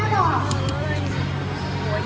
คุณแม่บอก